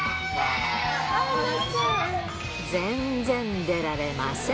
全然出られません。